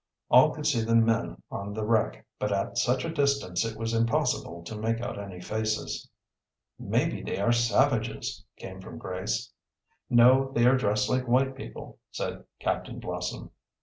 All could see the men on the wreck, but at such a distance it was impossible to make out any faces. "Maybe they are savages," came from Grace. "No, they are dressed like white people," said Captain Blossom..